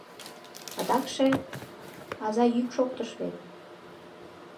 Адакше... аза йӱк шоктыш вет.